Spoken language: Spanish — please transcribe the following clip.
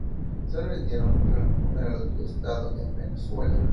Se le rindieron funerales de estado en Venezuela.